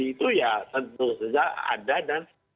itu ya tentu saja ada dan